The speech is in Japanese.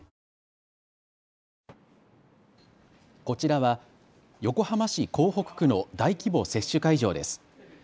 こちらは横浜市港北区の大規模接種会場です。